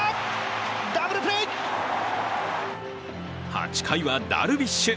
８回はダルビッシュ。